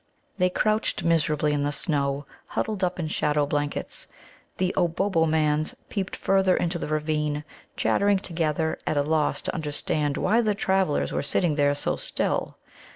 They crouched miserably in the snow, huddled up in shadow blankets. The Obobbomans peeped further into the ravine, chattering together, at a loss to understand why the travellers were sitting there so still.